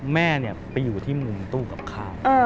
แม่ไปอยู่ที่มุมตู้กับข้าว